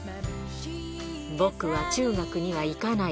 僕は中学には行かない。